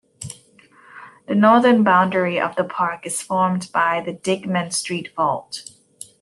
The northern boundary of the park is formed by the Dyckman Street Fault.